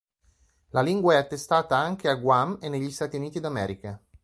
La lingua è attestata anche a Guam e negli Stati Uniti d'America.